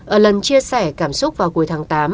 ở lần chia sẻ cảm xúc vào cuối tháng tám